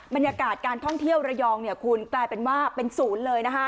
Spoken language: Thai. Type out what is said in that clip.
บรรยากาศการท่องเที่ยวระยองเนี่ยคุณกลายเป็นว่าเป็นศูนย์เลยนะคะ